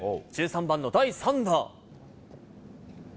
１３番の第３打。